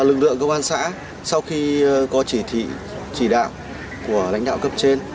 lực lượng công an xã sau khi có chỉ thị chỉ đạo của lãnh đạo cấp trên